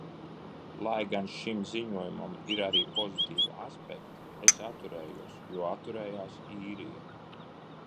Lai gan šim ziņojumam ir arī pozitīvi aspekti, es atturējos, jo atturējās Īrija.